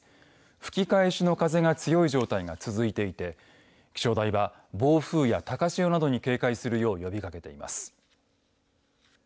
吹き返しの風が強い状態が続いていて気象台は暴風や高潮などに警戒するよう呼びかけています。